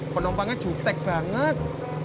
penumpangnya jutek banget